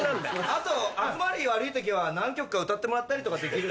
あと集まり悪い時は何曲か歌ってもらったりとかできる？